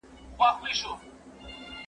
زه پرون بازار ته ولاړم!